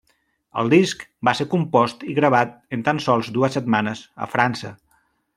El disc va ser compost i gravat en tan sols dues setmanes a França.